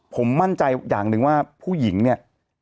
ผมมั่นใจอย่างหนึ่งว่าผู้หญิงเนี่ย